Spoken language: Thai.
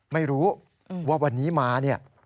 ไม่รู้ว่าวันนี้มาเนี่ย